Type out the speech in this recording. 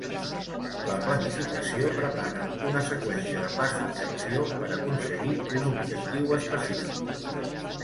La planificació prepara una seqüència de passos d'acció per aconseguir un objectiu específic.